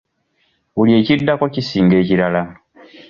Buli ekiddako kisinga ekirala.